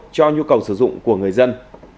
cho nhu cầu sử dụng của người dân